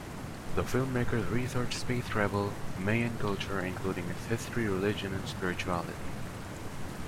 The filmmakers researched space travel and Mayan culture, including its history, religion, and spirituality.